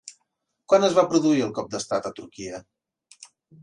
Quan es va produir el cop d'estat a Turquia?